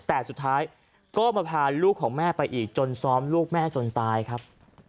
แต่สุดท้ายก็มาพาลูกของแม่ไปอีกจนซ้อมลูกแม่จนตายครับ